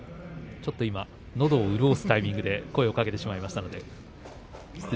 ちょっと今のどを潤すタイミングで声をかけてしまいました。